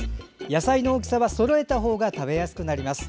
野菜の大きさは、そろえたほうが食べやすくなります。